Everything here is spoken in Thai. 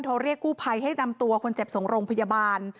เรียกกู้ภัยให้นำตัวคนเจ็บส่งโรงพยาบาล